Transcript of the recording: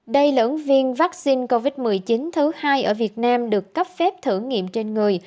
đầy lưỡng viên vaccine covid một mươi chín thứ hai ở việt nam được cấp phép thử nghiệm trên người